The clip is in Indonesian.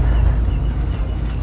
apa maksudnya mas